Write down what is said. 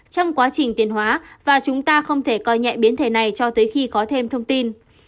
trong quá trình tiền hóa và chúng ta không thể coi nhẹ biến thể này cho tới khi có thêm thông tin